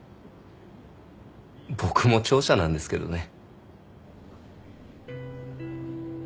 僕も聴者なんですけどね。